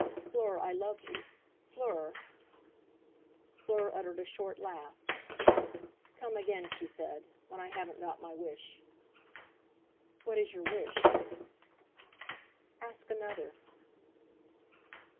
"Fleur, I love you. Fleur!" Fleur uttered a short laugh. "Come again," she said, "when I haven't got my wish." "What is your wish?" "Ask another."